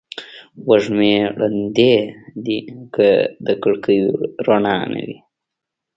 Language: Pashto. وږمې ړندې دي د کړکېو رڼا نه ویني